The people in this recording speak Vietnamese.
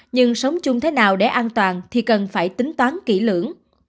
nhưng sống chung thế nào để an toàn thì cần phải tính toán kỹ lưỡng